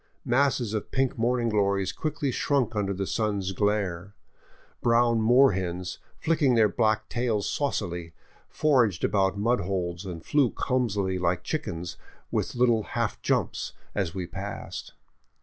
Masses of pink morning glories quickly shrunk under the sun's glare ; brown moor hens, flicking their black tails saucily, foraged about mud holes and flew clumsily, like chickens, with little half jumps, as we passed.